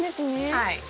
はい。